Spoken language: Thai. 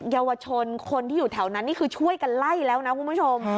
เยาวชนคนที่อยู่แถวนั้นนี่คือช่วยกันไล่แล้วนะคุณผู้ชม